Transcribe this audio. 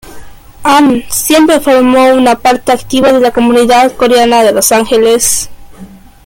Ahn siempre formó parte activa de la comunidad coreana de Los Ángeles.